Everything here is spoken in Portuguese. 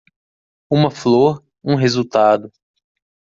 Uma flor, um resultado